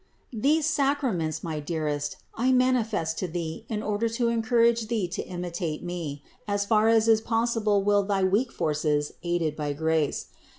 36. These sacraments, my dearest, I manifest to thee in order to encourage thee to imitate me, as far as is possible will thy weak forces aided by grace.